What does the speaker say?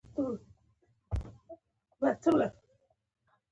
علی خان په خبره کې ور ولوېد: لنډه به يې درته ووايم.